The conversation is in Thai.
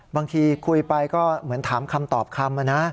บางทีคุยไปก็เหมือนถามคำตอบคำนะ